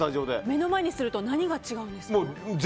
目の前にすると何が違うんですか？